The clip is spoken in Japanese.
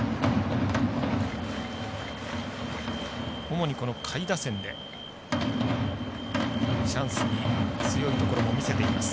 主に下位打線でチャンスに強いところも見せています。